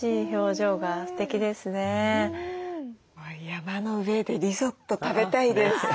山の上でリゾット食べたいです。